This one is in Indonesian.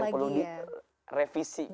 yang perlu di revisi kira kira